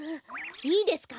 いいですか？